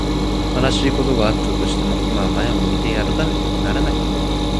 悲しいことがあったとしても、今は前を向いて歩かなければならない。